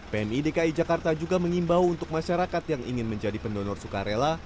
pmi dki jakarta juga mengimbau untuk masyarakat yang ingin menjadi pendonor sukarela